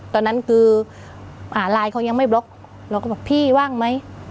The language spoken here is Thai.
ตอนนั้นคือไลน์เขายังไม่บล็อกเราก็บอกพี่ว่างไหม